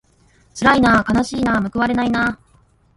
つらいなあかなしいなあむくわれないなあ